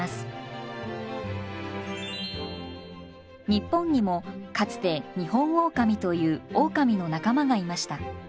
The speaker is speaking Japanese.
日本にもかつてニホンオオカミというオオカミの仲間がいました。